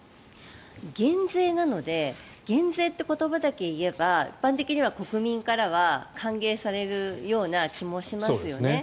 減税なので減税という言葉だけ言えば一般的には国民からは歓迎されるような気もしますよね。